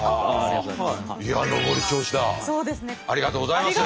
ありがとうございます。